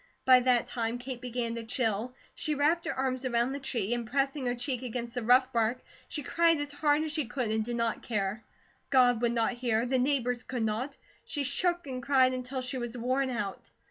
By that time Kate began to chill. She wrapped her arms around the tree, and pressing her cheek against the rough bark, she cried as hard as she could and did not care. God would not hear; the neighbours could not. She shook and cried until she was worn out.